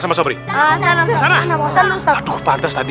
dengan brasilian untuk menghargai hatiku